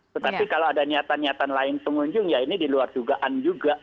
tetapi kalau ada niatan niatan lain pengunjung ya ini diluar dugaan juga